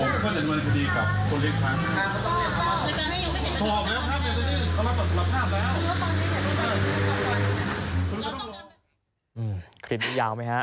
คลิปนี้ยาวไหมฮะ